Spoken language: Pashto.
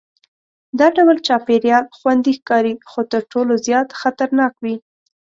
دا ډول چاپېریال خوندي ښکاري خو تر ټولو زیات خطرناک وي.